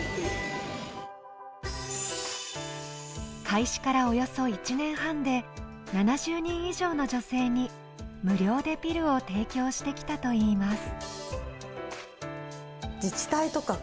開始から、およそ１年半で７０人以上の女性に無料でピルを提供してきたといいます。